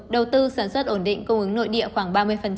đầu tư sản xuất ổn định cung ứng nội địa khoảng ba mươi